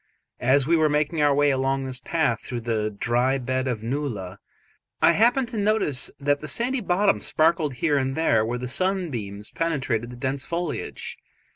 As we were making our way along this path through the dry bed of a nullah, I happened to notice that the sandy bottom sparkled here and there where the sunbeams penetrated the dense foliage.